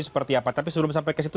seperti apa tapi sebelum sampai ke situ